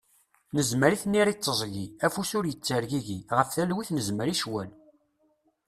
Nezmer i tniri d tiẓgi, afus ur ittergigi, ɣef talwit nezmer i ccwal.